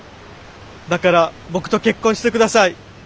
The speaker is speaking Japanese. だから僕と結婚してください。